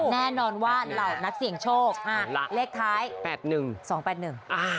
แน่นอนว่าเหล่านักเสี่ยงโชคอ่าล่ะเลขท้ายแปดหนึ่งสองแปดหนึ่งอ่า